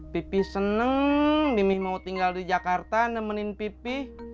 pipih seneng mimih mau tinggal di jakarta nemenin pipih